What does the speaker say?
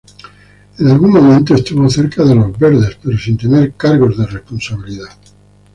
En algún momento estuvo cerca de los ""Verdes"" pero sin tener cargos de responsabilidad.